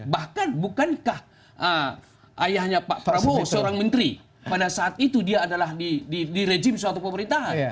bahkan bukankah ayahnya pak prabowo seorang menteri pada saat itu dia adalah di rejim suatu pemerintahan